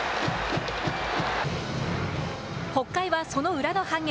北海は、その裏の反撃。